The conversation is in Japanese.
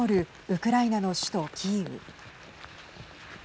ウクライナの首都、キーウ。